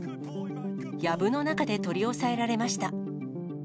やぶの中で取り押さえられました。